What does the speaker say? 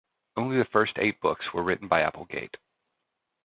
Only the first eight books were written by Applegate.